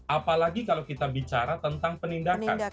apalagi kalau kita bicara tentang penindakan